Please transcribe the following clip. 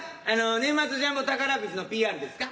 年末ジャンボ宝くじのＰＲですか？